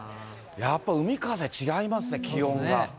やっぱ海風違いますね、気温が。